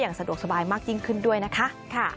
สะดวกสบายมากยิ่งขึ้นด้วยนะคะ